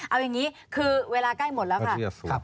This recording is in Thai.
เอาอย่างนี้คือเวลาใกล้หมดแล้วค่ะ